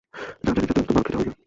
যা জানি তাতে অন্তত মার খেতে হয় না।